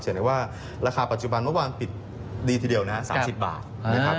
ได้ว่าราคาปัจจุบันเมื่อวานปิดดีทีเดียวนะครับ๓๐บาทนะครับ